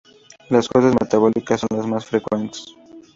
Las causas metabólicas son las más frecuentes.